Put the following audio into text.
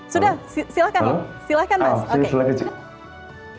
sudah silahkan silahkan mas